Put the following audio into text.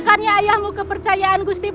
bukannya ayahmu kepercayaan gusti prabu